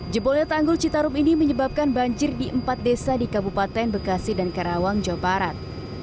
jebolnya tanggul citarum ini menyebabkan banjir di empat desa di kabupaten bekasi dan karawang jawa barat